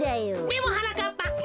でもはなかっぱ